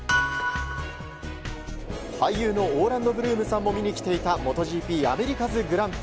俳優のオーランド・ブルームさんも見に来ていたＭｏｔｏＧＰアメリカズＧＰ。